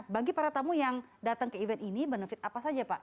bagi para tamu yang datang ke event ini benefit apa saja pak